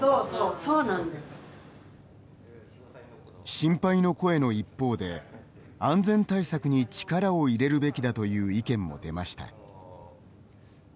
心配の声の一方で安全対策に力を入れるべきだという意見も出ました。